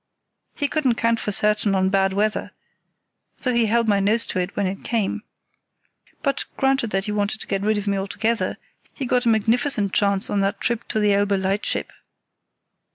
He couldn't count for certain on bad weather, though he held my nose to it when it came. But, granted that he wanted to get rid of me altogether, he got a magnificent chance on that trip to the Elbe lightship.